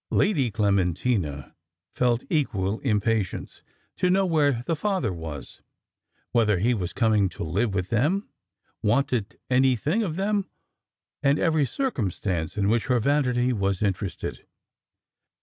Lady Clementina felt equal impatience to know where the father was, whether he were coming to live with them, wanted anything of them, and every circumstance in which her vanity was interested.